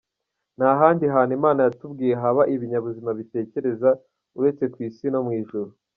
Nta handi hantu imana yatubwiye haba ibinyabuzima bitekereza, uretse ku isi no mu Ijuru.